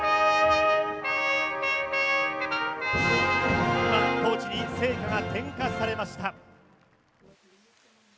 今トーチに聖火が点火されました。